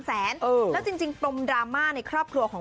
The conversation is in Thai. แล้วจริงปมดราม่าในครอบครัวของ